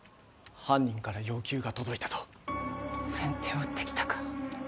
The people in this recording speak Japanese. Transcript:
犯人から要求が届いたと先手を打ってきたか